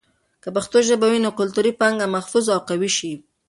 که پښتو ژبه وي، نو کلتوري پانګه محفوظ او قوي شي.